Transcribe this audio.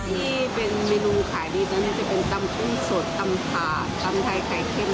นี่เป็นเมนูขายดีจะเป็นตำกุ้งสดตำผาตำไทยไข่เข็ม